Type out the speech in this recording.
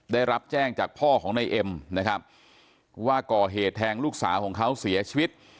ได้รับแจ้งจากพ่อของนายเอ็มนะครับว่าก่อเหตุแทงลูกสาวของเขาเสียชีวิต